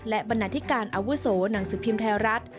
และบรรณาธิการอาวุโสหนังสือพิมพ์ไทยรัฐ